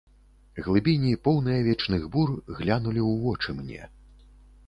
Глыбіні, поўныя вечных бур, глянулі ў вочы мне.